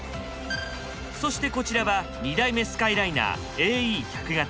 そしてこちらは２代目スカイライナー・ＡＥ１００形。